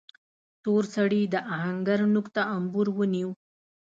تور سړي د آهنګر نوک ته امبور ونيو.